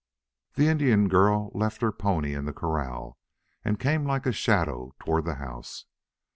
The Indian girl left her pony in the corral and came like a shadow toward the house.